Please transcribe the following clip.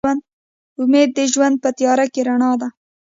امید د ژوند په تیاره کې رڼا ده.